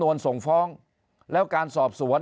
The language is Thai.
นายกรัฐมนตรีพูดเรื่องการปราบเด็กแว่น